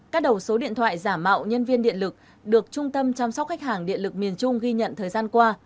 các đầu số điện thoại giả mạo nhân viên điện lực được trung tâm chăm sóc khách hàng điện lực miền trung ghi nhận thời gian qua